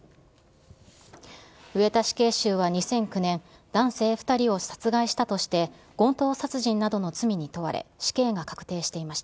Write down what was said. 上田死刑囚は２００９年、男性２人を殺害したとして、強盗殺人などの罪に問われ、死刑が確定していました。